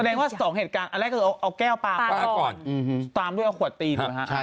แสดงว่าสองเหตุการณ์อันแรกก็คือเอาแก้วปลาก่อนตามด้วยเอาขวดตีถูกไหมฮะ